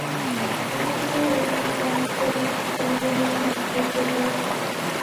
সমর্থকেরা এ সময় তাঁর এ ঘোষণাকে মুহুর্মুহু হাততালি দিয়ে স্বাগত জানান।